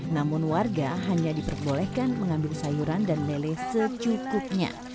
namun warga hanya diperbolehkan mengambil sayuran dan meleleh secukupnya